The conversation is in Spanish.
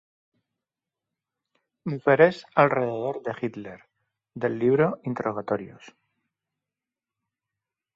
Mujeres alrededor de Hitler" del libro "Interrogatorios.